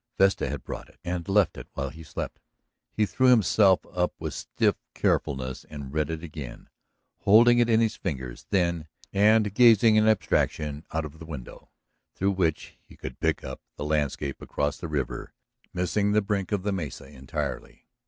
Vesta had brought it and left it there while he slept. He drew himself up with stiff carefulness and read it again, holding it in his fingers then and gazing in abstraction out of the window, through which he could pick up the landscape across the river, missing the brink of the mesa entirely.